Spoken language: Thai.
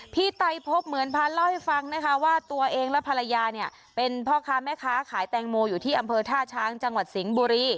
ไตพบเหมือนพาเล่าให้ฟังนะคะว่าตัวเองและภรรยาเนี่ยเป็นพ่อค้าแม่ค้าขายแตงโมอยู่ที่อำเภอท่าช้างจังหวัดสิงห์บุรี